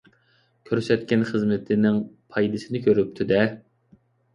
كۆرسەتكەن خىزمىتىنىڭ پايدىسىنى كۆرۈپتۇ-دە.